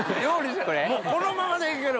このままで行ける。